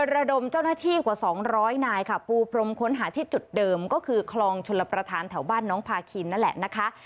ระดมเจ้าหน้าที่กว่า๒๐๐นายค่ะปูพรมค้นหาที่จุดเดิมก็คือคลองชลประธานแถวบ้านน้องพาคินนั่นแหละนะคะ